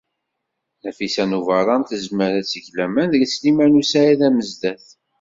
Nafisa n Ubeṛṛan tezmer ad teg laman deg Sliman u Saɛid Amezdat.